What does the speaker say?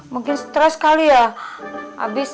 mungkin stress kali ya